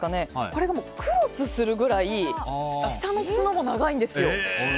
これがクロスするぐらい下の角も長いんですよ。